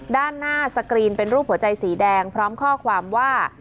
ด้านหน้าสกรีนเป็นรูปหัวใจสีแดงพร้อมข้อความว่า